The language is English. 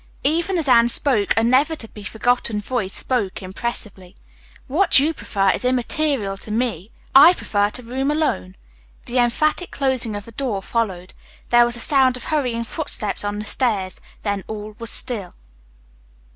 Even as Anne spoke a never to be forgotten voice said impressively, "What you prefer is immaterial to me, I prefer to room alone." The emphatic closing of a door followed. There was a sound of hurrying footsteps on the stairs, then all was still.